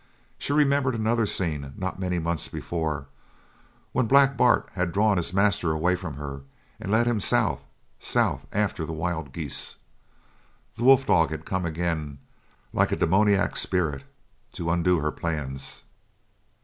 She remembered another scene, not many months before, when Black Bart had drawn his master away from her and led him south, south, after the wild geese. The wolf dog had come again like a demoniac spirit to undo her plans!